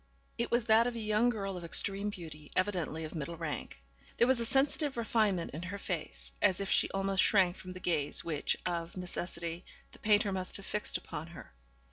It was that of a young girl of extreme beauty; evidently of middle rank. There was a sensitive refinement in her face, as if she almost shrank from the gaze which, of necessity, the painter must have fixed upon her.